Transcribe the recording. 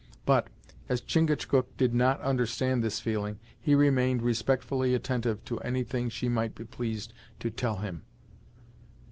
But, as Chingachgook did not understand this feeling, he remained respectfully attentive to any thing she might be pleased to tell him.